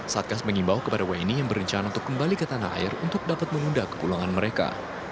satgas mengimbau kepada wni yang berencana untuk kembali ke tanah air untuk dapat menunda kepulangan mereka